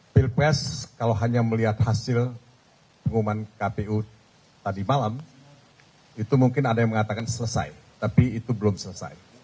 pilpres kalau hanya melihat hasil pengumuman kpu tadi malam itu mungkin ada yang mengatakan selesai tapi itu belum selesai